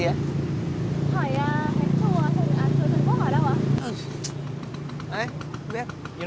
riêng khi được hỏi thì đã khá vui rối